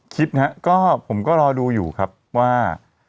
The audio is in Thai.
คิดนะครับก็ผมก็รอดูอยู่ครับว่า